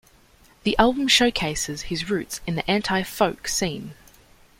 The album showcases his roots in the anti-folk scene.